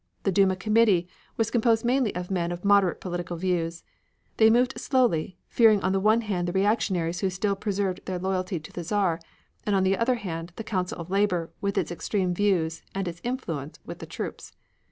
The Duma committee was composed mainly of men of moderate political views. They moved slowly, fearing on the one hand the Reactionaries who still preserved their loyalty to the Czar, and on the other hand the Council of Labor, with its extreme views, and its influence with the troops.